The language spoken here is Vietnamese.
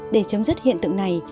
để chấm dứt hiện tượng này